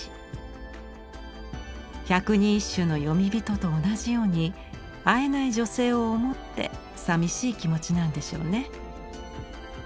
「百人一首」の詠み人と同じように会えない女性を思ってさみしい気持ちなんでしょうね。